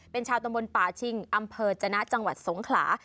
เป็นชาวตำบลป่าชิงอำเภอจนะจังหวัดสงขลา